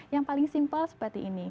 yang paling simple seperti ini